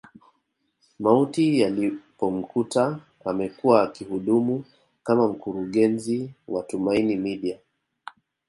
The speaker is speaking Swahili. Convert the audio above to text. Mauti yalipomkuta amekuwa akihudumu kama mkurungezi wa Tumaini Media